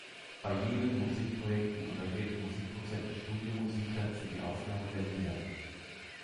Bei jenen Musikprojekten engagierten Musikproduzenten Studiomusiker für die Aufnahme der Lieder.